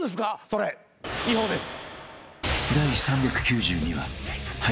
それ違法です。